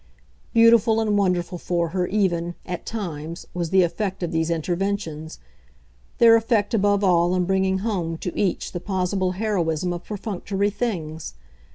Beautiful and wonderful for her, even, at times, was the effect of these interventions their effect above all in bringing home to each the possible heroism of perfunctory things.